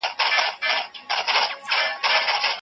ښه وکرو چې ښه وريبو.